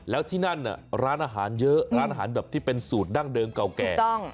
แล้วที่นั่นร้านอาหารเยอะร้านอาหารแบบที่เป็นสูตรดั้งเดิมเก่าแก่